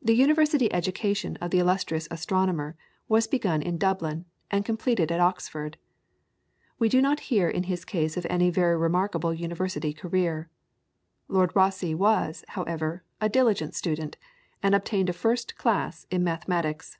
The University education of the illustrious astronomer was begun in Dublin and completed at Oxford. We do not hear in his case of any very remarkable University career. Lord Rosse was, however, a diligent student, and obtained a first class in mathematics.